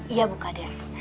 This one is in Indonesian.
iya bu kades